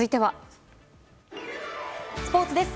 スポーツです。